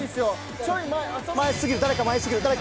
ちょい前。